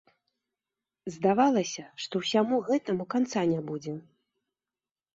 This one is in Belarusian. Здавалася, што ўсяму гэтаму канца не будзе.